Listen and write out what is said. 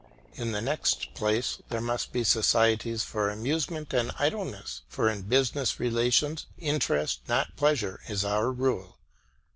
In the next place, there must be societies for amusement and idleness, for in business relations, interest, not pleasure, is our rule.